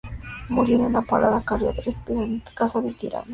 Murió de una parada cardiorrespiratoria en su casa de Tirana.